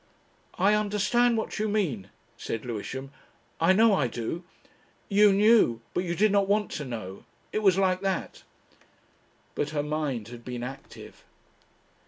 "I understand what you mean," said Lewisham. "I know I do. You knew, but you did not want to know. It was like that." But her mind had been active.